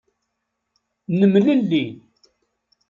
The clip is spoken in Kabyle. Nemlelli.